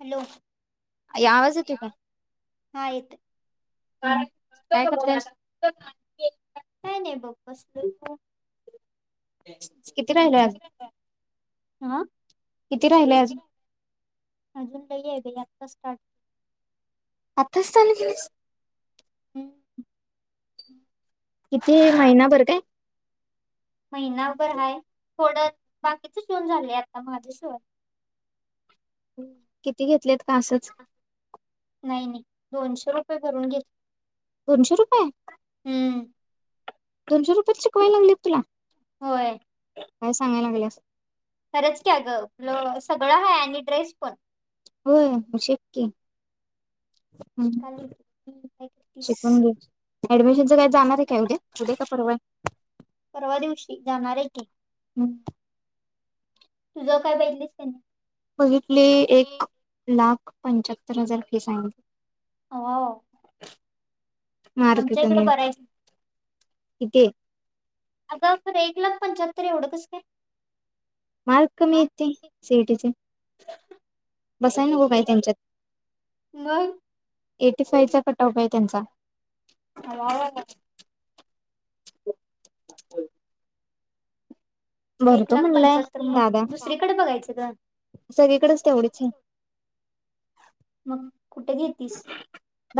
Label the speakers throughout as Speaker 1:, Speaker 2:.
Speaker 1: Hello
Speaker 2: आवाज येतोय
Speaker 1: हायत.
Speaker 2: कार
Speaker 1: काय नाही बघ कसलं.
Speaker 2: किती राहिल.
Speaker 1: आं.
Speaker 2: किती राहिले आज?
Speaker 1: अजून ल आहे आत्ता स्टार्ट
Speaker 2: आता स्थान
Speaker 1: ह.
Speaker 2: किती महिनाभर काय?
Speaker 1: महिनाभरय थोडं बाकीच शऊन झालंय आता माझे शिय
Speaker 2: हम्. किती घेतलेत का असंच.
Speaker 1: नाही नाही दोनशे रुपये भरून घेत.
Speaker 2: दोनशे रुपये
Speaker 1: हम्म.
Speaker 2: दोनशे रुपयाची शिकवाय लागलेत तला
Speaker 1: होय.
Speaker 2: काय सांगय लागे.
Speaker 1: खरंच क्या ग आपलं सगळं आहे आणि ड्रेस पण
Speaker 2: होय शक्की
Speaker 1: काल. काय करतीस
Speaker 2: शिकून घे ऍडमिशनच काही जाणार आहे काय उद्या उद्या का परवाय.
Speaker 1: परवा दिवशी जाणारे की तुझ काय बहिजलेस त्यानी
Speaker 2: बघितले एक लाख पंचाहत्तर हजार फीस आहेत.
Speaker 1: हो
Speaker 2: मार
Speaker 1: आमच्या
Speaker 2: कट.
Speaker 1: इकडं बरं आहे
Speaker 2: [unintelligible]
Speaker 1: आता एक लाख पंच्याहत्तर एवढंचस काय?
Speaker 2: मारक
Speaker 1: मग
Speaker 2: मीेते सेटचे
Speaker 1: [unintelligible]
Speaker 2: बसायला नको काय त्यांच्यात एटी फाईवचा कटा उ का आहे त्यांचा
Speaker 1: ह एक
Speaker 2: भरतो
Speaker 1: लाख
Speaker 2: म्हणलाय
Speaker 1: पंच्याहत्तर मग
Speaker 2: दादा.
Speaker 1: दुसरीकडे बघायचं ग
Speaker 2: सगळीकडेच तेवढीच आहे
Speaker 1: मग कुठे येेतस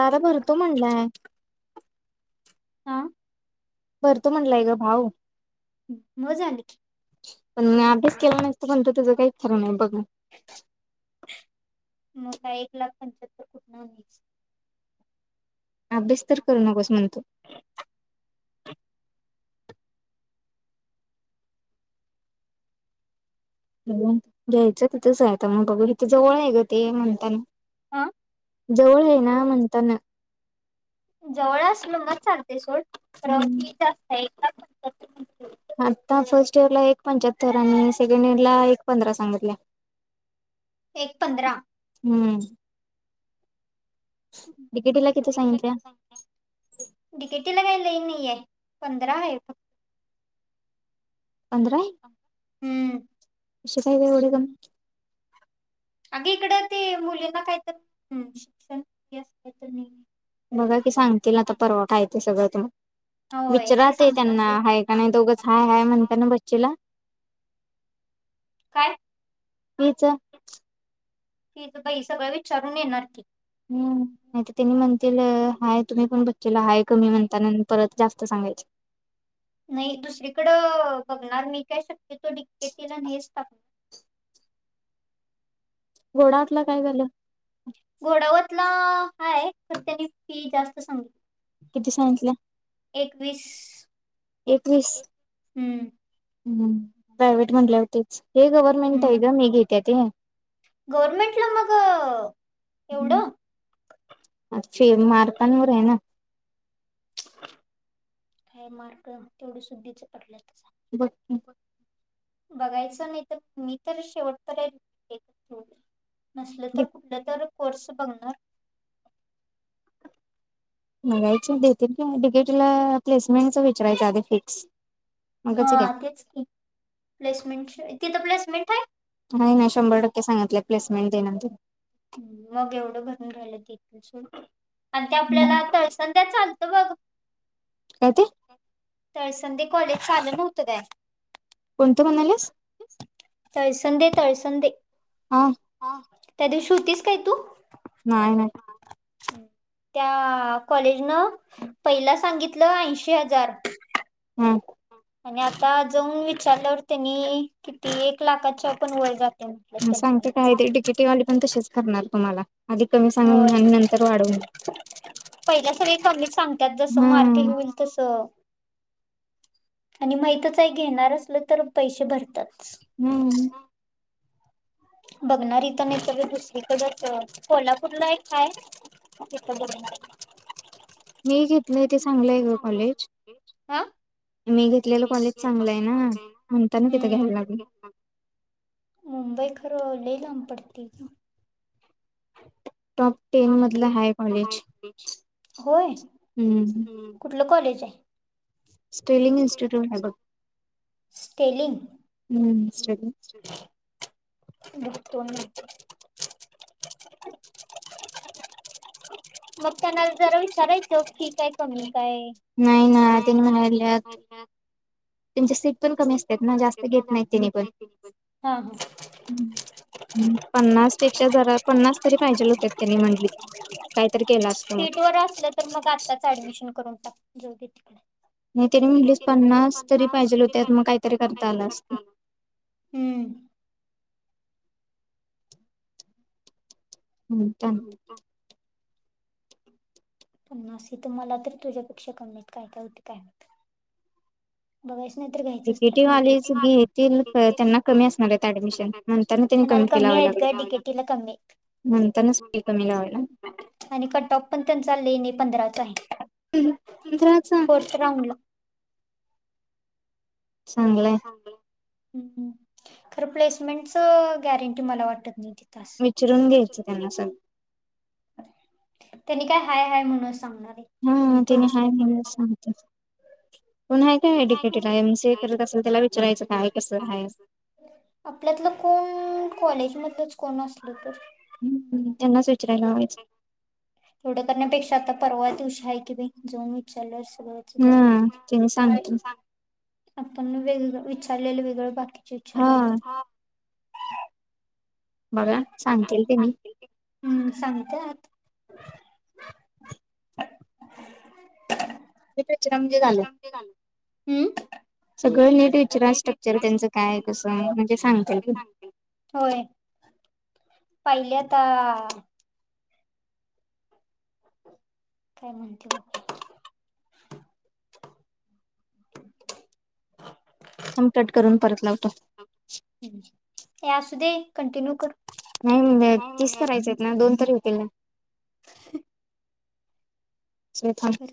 Speaker 2: दादा भरतो म्हणलाय
Speaker 1: हा
Speaker 2: भर तो म्हणलाय ग भाऊ
Speaker 1: मग झाली की.
Speaker 2: पण अभ्यास केला नसत पण त्याचा काहीच फरक नाही बघ
Speaker 1: न काा एक लाख पंच्याहत्तर कोटनास
Speaker 2: अभ्यास तर करू नकोस म्हणतो घ्यायचं तिथं जायता मग बाघू इिथे जवळ आहे ग ते
Speaker 1: हा.
Speaker 2: म्हणताना जवळ ये ना म्हणताना
Speaker 1: जवळ असल मग चालते सोड
Speaker 2: हम्म
Speaker 1: प्री जात
Speaker 2: आता फर्स्ट इयर ला एक पंच्याहत्तर आणि सेकंड इयर ला एक पंधरा सांगितले
Speaker 1: एक पंधरा
Speaker 2: हम्म तिकेटीला किती सांगितल्या
Speaker 1: टिकटी लग ल नाहीे पंधरा ह.
Speaker 2: अंद्रे.
Speaker 1: हम्म.
Speaker 2: अ काही का एवढे काण?
Speaker 1: अगे इकडं ते मुलींना काहीतरी शिक्षण काहीत नाही.
Speaker 2: बघा की सांगतील आता
Speaker 1: माहित.
Speaker 2: परवा खयचं सगळं तुम
Speaker 1: होय ते
Speaker 2: विचारात त्यांना
Speaker 1: सांगतील की.
Speaker 2: आहे का नाही दोघंच ह काय म्हणत ना बच्चेला हेच
Speaker 1: ती तर बाई सगळं विचारून येणार की
Speaker 2: हम् नाही तर त्यांनी म्हणतील हाय तुम्ही पण बचचेला हाय कमी म्हणता परत जास्त सांगायच
Speaker 1: नाही दुसरीकडं बघणार मी काय शकते तो डेटीला नेच टाकणार
Speaker 2: घोडावटला काय झालं
Speaker 1: घोडावतला हाय तर त्यांनी फी जास्त सांगितली
Speaker 2: किती सायन्स ला
Speaker 1: एकवीस
Speaker 2: एकवीस
Speaker 1: हम्म
Speaker 2: हम्म प्रायव्हेट म्हंटल्या होतेच हे गव्हर्नमेंट आहे
Speaker 1: हम्म
Speaker 2: ग मी घेते ते
Speaker 1: गव्हर्मेंटला मग एवढं
Speaker 2: अ े मारताांवर आहे ना
Speaker 1: काय मार्ग तेवढी सुुद्धीच पडला त
Speaker 2: बकी
Speaker 1: बघायचं नाही तर मी तर शेवट तर आहे नसल
Speaker 2: की.
Speaker 1: तर कुठलं तर कोर्स बघणार
Speaker 2: बगायच देतील कि तिकीटला प्लेसमेंटच विचारायच्या आधी फिक्स
Speaker 1: हा
Speaker 2: मगच घ्या
Speaker 1: तेच प्लेसमेंट तिथ प्लेसमेंट आहे
Speaker 2: नाही नाही शंभर टक्के सांगितले प्लेसमेंट देनंतर
Speaker 1: मग एवढं भरून झाहिलं तिथ सु आणि ते आपल्याला तळसण त्या चालतं बघ
Speaker 2: का ते
Speaker 1: तळसंदी कॉलेज चाल नव्हतं काय
Speaker 2: कोणतं म्हणाल्यास
Speaker 1: तळसंद तळसंद
Speaker 2: हा
Speaker 1: ह त्या दिवशी होतीस काय तू
Speaker 2: नाही नाही
Speaker 1: ह हम् त्या कॉलेज नं पहिला सांगितलं ऐंशी हजार
Speaker 2: हम्
Speaker 1: आणि आता जाऊन विचारल्यावर त्यांनी किती एक लाखाच्या पण वय जाते म्हटलं त्यांनी
Speaker 2: सांगते काय ते
Speaker 1: पण
Speaker 2: टिकीटीवाले पण तसेच करणार तुम्हाला आधी कमी सांगून
Speaker 1: होय
Speaker 2: आणि नंतर वाढवून दे
Speaker 1: पहिल्या स खमली सांगतात जसं मार्कही
Speaker 2: हम्म
Speaker 1: होईल तस आणि माहीतचही घेणार असलं तर पैसे भरतात
Speaker 2: हम्म
Speaker 1: बघणारी तर हे सगळ दुसरीकडेच कोल्हापूरला एक काय ब
Speaker 2: मी ज
Speaker 1: ते चांगलं
Speaker 2: मी घेतलेलं कॉलेज चांगलं आहे ना म्हणता ना तिथं
Speaker 1: हम्म
Speaker 2: घ्यायला लागल
Speaker 1: मुंबई खरं लही लाब पडते का
Speaker 2: टॉप टेन मधलं हाय कॉलेज
Speaker 1: होय
Speaker 2: हम्म
Speaker 1: कुठलं कॉलेज आहे
Speaker 2: स्टेलिंग इनस्टिट्यूट आहे बघ
Speaker 1: सपेलिंग
Speaker 2: हम्म स्टेलिंग
Speaker 1: भतन मग त्यांना जरा विचारायच ठीक आहे तुमही काय नाही ना आधीत
Speaker 2: त्यांच्या सीट
Speaker 1: त्यां सी पण
Speaker 2: असतात ना
Speaker 1: कमी
Speaker 2: जास्त घेत नाहीत
Speaker 1: असत
Speaker 2: त्यांनी
Speaker 1: जातेत
Speaker 2: पण
Speaker 1: नाही पण
Speaker 2: पन्नास पेक्षा जरा पन्नास तरी पाहिजे होत्या त्यांनी म्हंटलीत काहीतरी केला असतो मग
Speaker 1: सीट वर असलं तर मग आत्ताच ऍडमिशन करून टाक जाऊ तिकडे
Speaker 2: नाही तने म्हणटलीस पन्नास तरी पाहिजे होते
Speaker 1: े लोकत म काहीतरी कर्
Speaker 2: हम्म
Speaker 1: हो का पण् नस तर मला तरी तुझ्यापेक्षा कमीत काय का होती काय हो बघ
Speaker 2: ेटिव आलेज घेतील त्यांना कमी असणार आहेत ऍडमिशन त्यांनी
Speaker 1: नाल
Speaker 2: कमी
Speaker 1: कममी आयत का टिकेट एला कममी
Speaker 2: ह
Speaker 1: आणि कट टॉप पण त्यां चाललेणे पंधराच आहे
Speaker 2: ह
Speaker 1: फोर्थ राऊंड ला
Speaker 2: चांगलंय
Speaker 1: खरं प्लेसमेंटच गॅरंटी मला वाटत नाही ति
Speaker 2: विचरून घ्यायचं त्यांना सगळं
Speaker 1: त्यांनी काय हाय हाय म्हणूनच सांगणार आहे
Speaker 2: हा
Speaker 1: त्यांनी
Speaker 2: तेने
Speaker 1: थोडीच
Speaker 2: हाय
Speaker 1: नाही
Speaker 2: मला
Speaker 1: बोलणार
Speaker 2: सांगत कोण ह काय एड्युकेटेड एमसीए करत असल त्याला विचायचं काय कसं आहेय
Speaker 1: आपल्यातलं कोण कॉलेज मधलच कोण असल तर
Speaker 2: ह् त्यांनाच विचारयला हच
Speaker 1: तेवढ करण्यापेक्षा आता परवा दिवशी आहे की बा जाऊन विचारलं सग
Speaker 2: हम्म ते म सांगते
Speaker 1: आपण वेग विचारलेलं वेगळं बाकीचे
Speaker 2: हा
Speaker 1: विचारले
Speaker 2: बरं
Speaker 1: म हां हम् सांगितत
Speaker 2: च म्हजे घाल
Speaker 1: हम्म
Speaker 2: सगळं नीट विचर स्ट्रक्चर त्यांचं काय कसं म्हणजे सांगते क
Speaker 1: होय पहिलेता काय म्हणते बके [inaudible]
Speaker 2: समकट करून परत लावतो
Speaker 1: हे अस दे कंटिन्यू करू
Speaker 2: नाही म्हणज तीस करायच आहेत ना दोन तरी होतील ना तेथां
Speaker 1: तर